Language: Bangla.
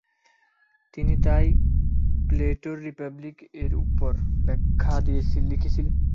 তিনি তাই প্লেটোর রিপাবলিক এর উপর ব্যাখ্যা লিখেছিলেন।